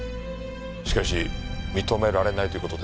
しかし認められないという事ですね？